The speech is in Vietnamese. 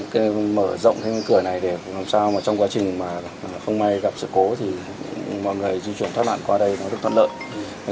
các anh mở rộng cái cửa này để làm sao trong quá trình không may gặp sự cố thì mọi người di chuyển thoát nạn qua đây nó được thoát lợi